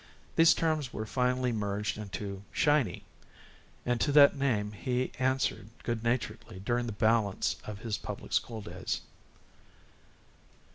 These terms were finally merged into "Shiny," and to that name he answered good naturedly during the balance of his public school days.